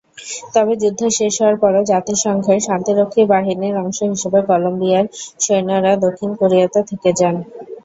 তবে যুদ্ধ শেষ হওয়ার পরও জাতিসংঘের শান্তিরক্ষী বাহিনীর অংশ হিসেবে কলম্বিয়ার সৈন্যরা দক্ষিণ কোরিয়াতে থেকে যান।